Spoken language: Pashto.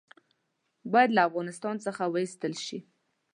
باید له افغانستان څخه وایستل شي.